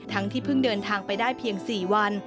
ที่เพิ่งเดินทางไปได้เพียง๔วัน